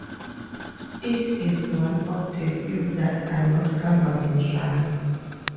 It is one of the few that are not government-run.